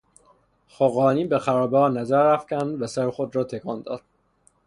خاقانی به خرابهها نظر افکند و سر خود را تکان داد.